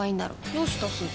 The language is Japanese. どうしたすず？